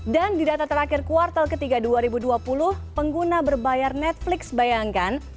dan di data terakhir kuartal ketiga dua ribu dua puluh pengguna berbayar netflix bayangkan